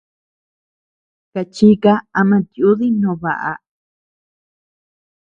Kachika ama tiudi no baʼa.